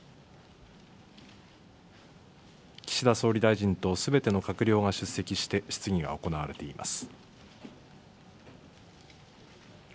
岸田総理大臣とすべての閣僚が出席して質疑が行われています。